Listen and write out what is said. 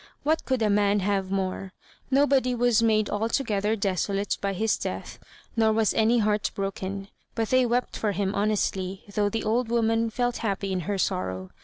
What could a man have more? Nobody was made altogether desolate by his death, nor was any heartbroken, but they wept for him honestly, though the old woman felt happy in her sorrow.